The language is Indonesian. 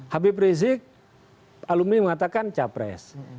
habib rizieq alumi mengatakan capres